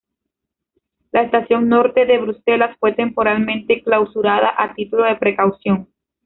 La Estación Norte de Bruselas fue temporalmente clausurada a título de precaución.